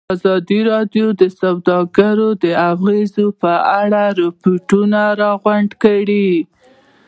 ازادي راډیو د سوداګري د اغېزو په اړه ریپوټونه راغونډ کړي.